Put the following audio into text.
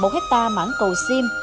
một hectare mãn cầu sim